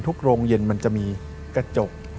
โรงเย็นมันจะมีกระจก